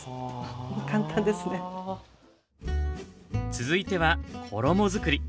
続いては衣作り。